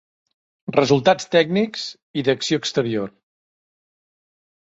Resultats tècnics i d'acció exterior.